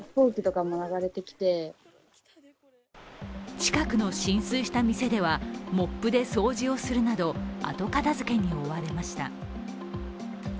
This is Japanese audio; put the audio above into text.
近くの浸水した店ではモップで掃除をするなど後片づけに追われました。